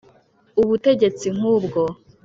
ubutegetsi nk'ubwo